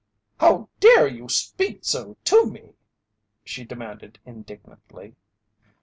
"How dare you speak so to me?" she demanded, indignantly.